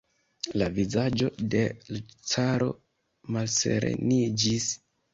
La vizaĝo de l' caro malsereniĝis.